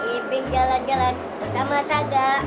imping jalan jalan sama saga